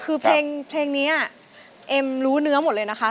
คือเพลงเนี้ยอะเนี้ยเอ็มรู้เนื้อหมดเลยนะคะ